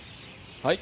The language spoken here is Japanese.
はい。